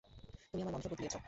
তুমি আমার মন্ত্র বদলিয়েছ।